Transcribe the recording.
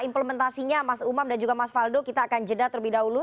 implementasinya mas umam dan juga mas faldo kita akan jeda terlebih dahulu